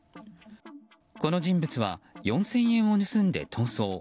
この人物は４０００円を盗んで逃走。